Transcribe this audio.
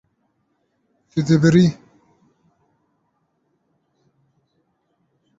Tu dibirî.